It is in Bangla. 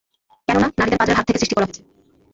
কেননা, নারীদেরকে পাঁজরের হাড় থেকে সৃষ্টি করা হয়েছে।